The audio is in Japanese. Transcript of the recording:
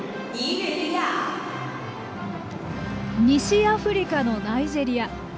西アフリカのナイジェリア。